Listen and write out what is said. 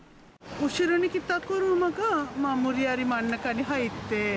後ろに来た車が、無理やり真ん中に入って。